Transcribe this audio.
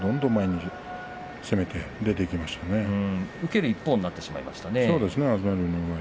東龍は受ける一方になってしまいましたね。